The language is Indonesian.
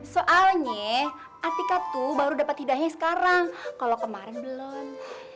soalnya atika tuh baru dapet hidayahnya sekarang kalo kemarin belum